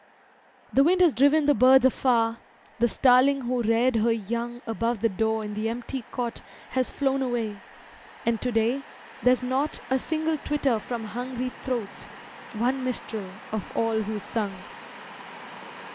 The wind has driven the birds afar, The starling who reared her young Above the door in the empty cot Has flown away, and to day there's not A single twitter from hungry throats, One minstrel, of all who sung.